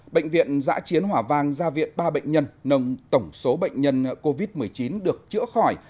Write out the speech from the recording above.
bệnh viện giã chiến hỏa vang ra viện ba bệnh nhân nồng tổng số bệnh nhân covid một mươi chín được chữa khỏi